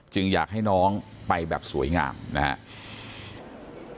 อยากให้น้องไปแบบสวยงามนะครับ